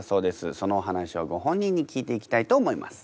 そのお話をご本人に聞いていきたいと思います。